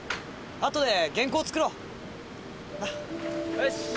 よし。